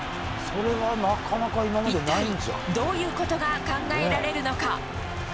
一体、どういうことが考えられるのか。